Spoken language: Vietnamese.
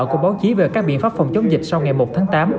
của báo chí về các biện pháp phòng chống dịch sau ngày một tháng tám